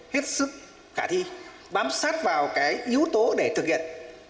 hết sức khả thi bám sát vào cái yếu tố để thực hiện